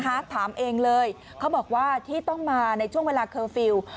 เขาบอกว่าว่าวัดชต้องมาในช่วงเวลาเคอร์ฟิล